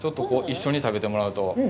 一緒に食べてもらうと。